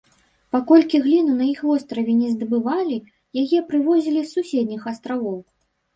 Паколькі гліну на іх востраве не здабывалі, яе прывозілі з суседніх астравоў.